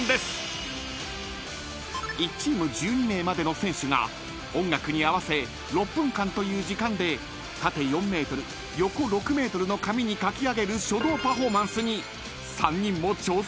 ［１チーム１２名までの選手が音楽に合わせ６分間という時間で縦４ｍ横６ｍの紙に書き上げる書道パフォーマンスに］